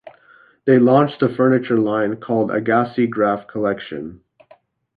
They launched a furniture line called Agassi Graf Collection.